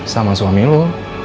sama suami lo